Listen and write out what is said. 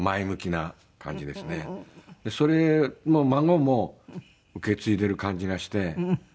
それを孫も受け継いでる感じがして。